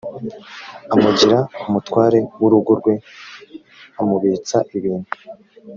amugira umutware w urugo rwe amubitsa ibintu